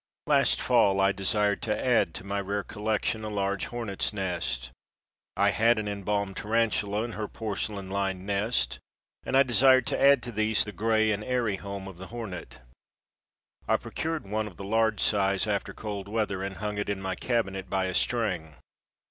Last fall I desired to add to my rare collection a large hornet's nest. I had an enbalmed tarantula and her porcelain lined nest, and I desired to add to these the gray and airy home of the hornet. I procured one of the large size after cold weather and hung it in my cabinet by a string.